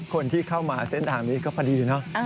คนที่เข้ามาเส้นทางนี้ก็พอดีเนอะ